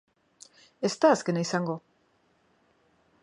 Ez da azkena izango.